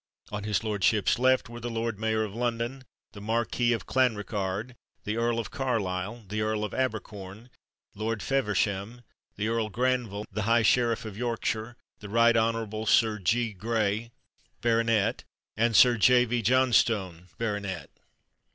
On his Lordship's left were the Lord Mayor of London, the Marquis of Clanricarde, the Earl of Carlisle, the Earl of Abercorn, Lord Feversham, the Earl Granville, the High Sheriff of Yorkshire, the Right Honourable Sir G. Grey, Bart., and Sir J. V. Johnstone, Bart.